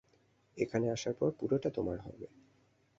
এখানে আসার পর পুরোটা তোমার হবে।